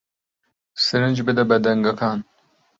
سرنج بدە بە دەنگەکان